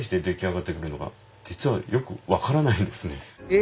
え